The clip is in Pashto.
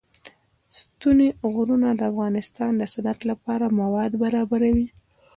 ستوني غرونه د افغانستان د صنعت لپاره مواد برابروي.